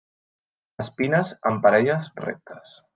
Espines en parelles, rectes.